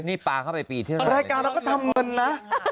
รายการเราก็ทำเงินนะ